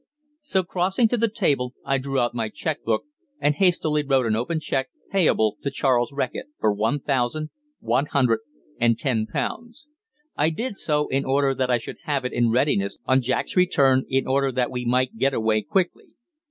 So, crossing to the table, I drew out my cheque book, and hastily wrote an open cheque, payable to "Charles Reckitt," for one thousand one hundred and ten pounds. I did so in order that I should have it in readiness on Jack's return in order that we might get away quickly.